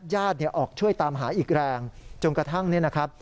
ยัดออกช่วยตามหาอีกแรงจนกระทั่งนี้นะครับ